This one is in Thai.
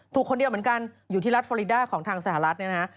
คนเดียวเหมือนกันอยู่ที่รัฐฟอริดาของทางสหรัฐเนี่ยนะฮะ